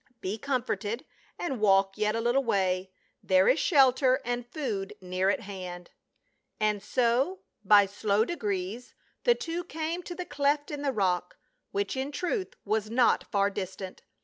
" Be comforted and walk yet a little way ; there is shelter and food near at hand." And so, by slow degrees, the two came to the cleft in the rock, which in truth was not far distant.